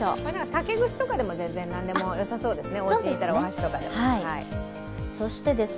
竹串とかでもお箸でもよさそうですね。